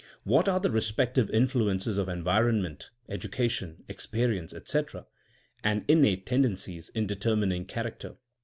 What are the respective influences of environ ment {education, experience, etc.) and innate tendencies in determining character?